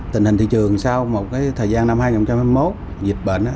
tình hình thị trường sau một thời gian năm hai nghìn hai mươi một dịch bệnh